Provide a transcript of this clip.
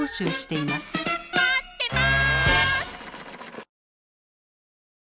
待ってます！